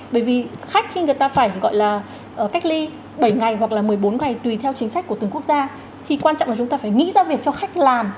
bởi vì khách khi người ta phải gọi là cách ly bảy ngày hoặc là một mươi bốn ngày tùy theo chính sách của từng quốc gia thì quan trọng là chúng ta phải nghĩ ra việc cho khách làm